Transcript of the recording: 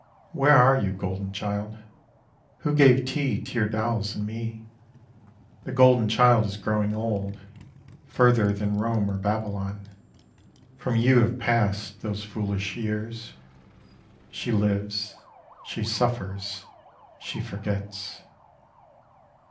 Where are you, golden child, Who gave tea to your dolls and me? The golden child is growing old, Further than Rome or Babylon From you have passed those foolish years. She lives she suffers she forgets.